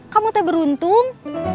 kamu tuh beruntung